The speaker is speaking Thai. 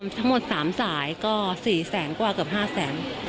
ทั้งหมด๓สายก็๔แสนกว่าเกือบ๕แสน